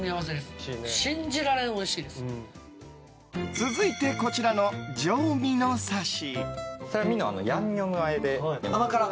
続いて、こちらの上ミノ刺し。